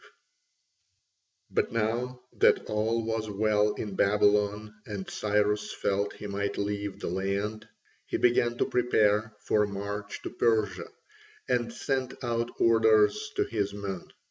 5] But now that all was well in Babylon and Cyrus felt he might leave the land, he began to prepare for a march to Persia, and sent out orders to his men.